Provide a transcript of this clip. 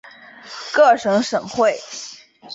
各省省会。